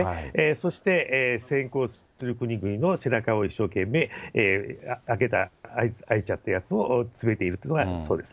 そして、先行する国々の背中を一生懸命、あいちゃったやつを詰めているというのがそうです。